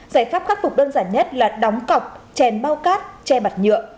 giải pháp khắc phục đơn giản nhất là đóng cọc chèn bao cát che mặt nhựa